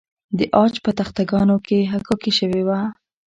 د عاج په تخته ګانو کې حکاکي شوې وه